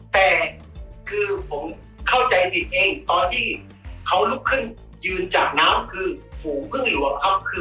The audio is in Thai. แต่คือผมเข้าใจผิดเองตอนที่เขาลุกขึ้นยืนจากน้ำของน้องผูหว่าง